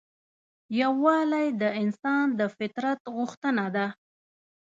یووالی د انسان د فطرت غوښتنه ده.